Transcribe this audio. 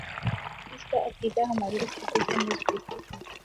اس کا عقیدہ ہمارے عقیدے سے مضبوط ہو